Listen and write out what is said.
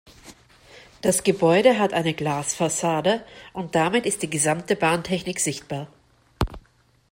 Das Gebäude hat eine Glasfassade und damit ist die gesamte Bahntechnik sichtbar.